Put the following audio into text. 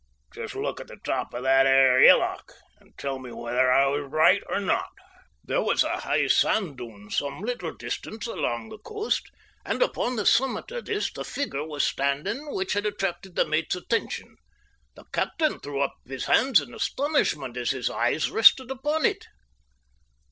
Just look at the top of that 'ere hillock, and tell me whether I was in the right or not?" There was a high sand dune some little distance along the coast, and upon the summit of this the figure was standing which had attracted the mate's attention. The captain threw up his hands in astonishment as his eyes rested upon it.